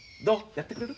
やってくれる？